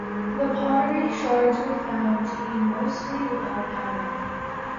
The pottery shards were found to be mostly without pattern.